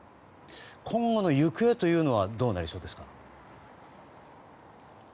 今後の行方はどうなりそうですか。